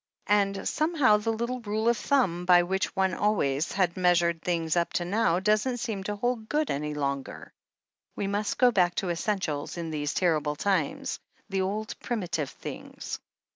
And some how the little rule of thumb by which one had always measured things up to now doesn't seem to hold good any longer. We must go back to essentials in these terrible times — the old, primitive things."